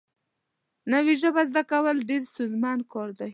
نوې ژبه زده کول ډېر ستونزمن کار دی